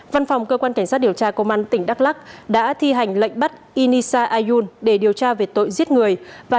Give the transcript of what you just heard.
văn phòng cơ quan cảnh sát điều tra công an tỉnh đắk lắc đã thi hành lệnh bắt inisa ayun để điều tra về tội giết người và